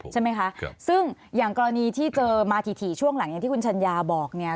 ใช่ไหมคะซึ่งอย่างกรณีที่เจอมาถี่ช่วงหลังอย่างที่คุณชัญญาบอกเนี่ย